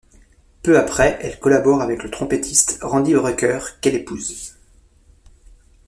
Peu après, elle collabore avec le trompettiste Randy Brecker qu'elle épouse.